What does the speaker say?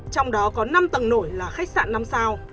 trong đó có năm tầng nổi là khách sạn năm sao